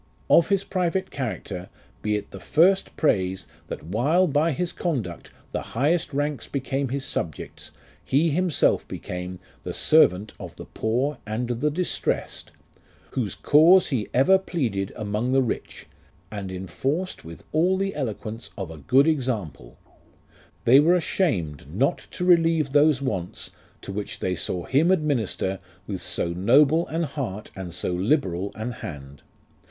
Of his private character, he it the first praise, That while, by his conduct, the highest ranks hecame his subjects, He himself became The servant of the poor and the distressed : Whose cause he ever pleaded amongst the rich, And enforced with all the eloquence of a good example : They were ashamed not to relieve those wants To which they saw him administer with So noble an heart, and so liberal an hand.